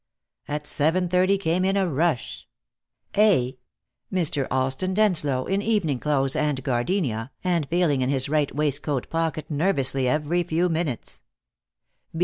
At seven thirty came in a rush: (a) Mr. Alston Denslow, in evening clothes and gardenia, and feeling in his right waist coat pocket nervously every few minutes.